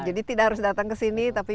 jadi tidak harus datang kesini tapi